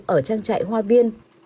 ở trang trại hoa viên